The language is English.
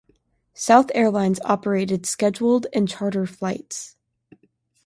South Airlines operated scheduled and charter flights.